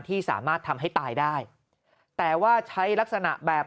ที่สามารถทำให้ตายได้แต่ว่าใช้ลักษณะแบบ